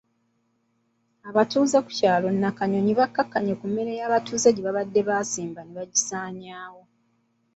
Abatuuze ku kyalo Nakanyonyi bakkakkanye ku mmere ya babuulizi gye babadde baasimba ne bagisaawa.